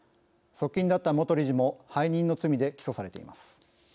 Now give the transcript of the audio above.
側近だった元理事も背任の罪で起訴されています。